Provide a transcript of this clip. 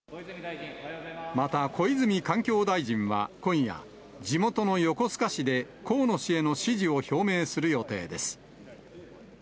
また小泉環境大臣は今夜、地元の横須賀市で河野氏への支持を表明する予定です。